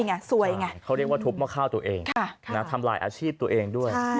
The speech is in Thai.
ไงซวยไงเขาเรียกว่าทุบหม้อข้าวตัวเองทำลายอาชีพตัวเองด้วย